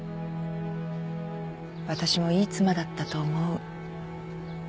私もいい妻だったと思う。